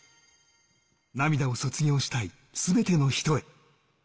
涙を卒業したいすべての人へ。